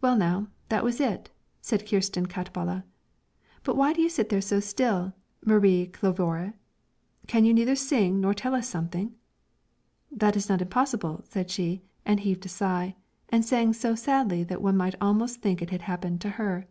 "Well now, that was it," said Kristen Katballe, "but why do you sit there so still, Marie Kjölvroe? Can you neither sing nor tell us something?" "That is not impossible," said she, and heaved a sigh, and sang so sadly that one might almost think it had happened to her.